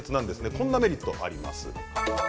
こんなメリットがあります。